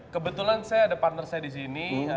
kebetulan saya ada partner saya di sini